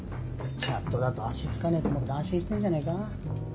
チャットだと足つかねえと思って安心してんじゃねえか。